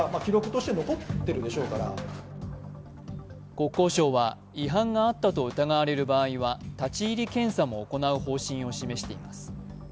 国交省は、違反があったと疑われる場合は、立ち入り検査も行う方針を示しています。